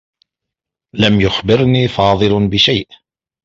لم يخبرني فاضل بشيء.